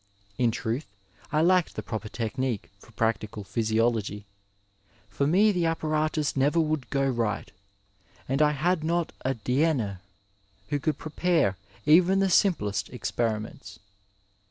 In truth, I lacked the proper technique for practical physiology. For me the apparatus never would go right, and I had not a Diener who could prepare even the simplest experiments.